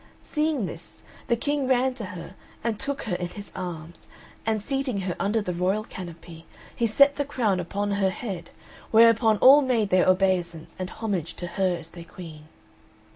Seeing this, the King ran to her and took her in his arms, and seating her under the royal canopy, he set the crown upon her head, whereupon all made their obeisance and homage to her as their queen.